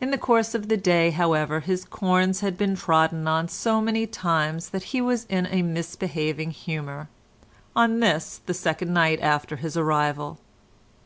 In the course of the day, however, his corns had been trodden on so many times that he was in a misbehaving humour, on this the second night after his arrival.